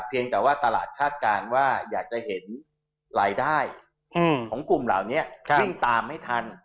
เพียงแต่ว่าตลาดคาดการณ์ว่าอยากจะเห็นรายได้ของกลุ่มเหล่านี้วิ่งตามไม่ทัน